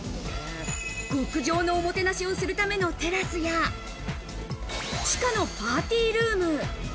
極上のおもてなしをするためのテラスや地下のパーティールーム。